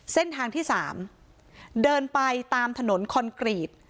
เส้นทางที่๓เดินไปตามถนนคอนกรีต